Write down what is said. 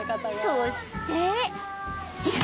そして